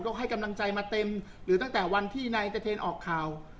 ก็ให้กำลังใจมาเต็มหรือตั้งแต่วันที่นายตะเทนออกข่าว